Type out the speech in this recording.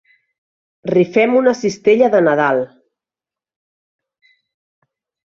Rifem una cistella de Nadal.